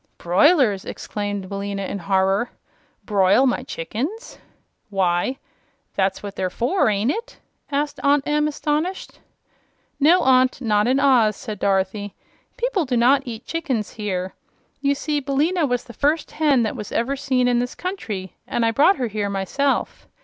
"Broilers!" exclaimed Billina, in horror. "Broil my chickens!" "Why, that's what they're for, ain't it?" asked Aunt Em, astonished. "No, Aunt, not in Oz," said Dorothy. "People do not eat chickens here. You see, Billina was the first hen that was ever seen in this country, and I brought her here myself.